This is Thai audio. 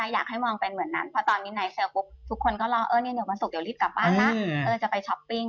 อยากให้มองเป็นเหมือนนั้นเพราะตอนนี้ในเสิร์ฟทุกคนก็รออยู่บางสักเดี๋ยวรีบกลับบ้านนะจะไปช็อปปิ้ง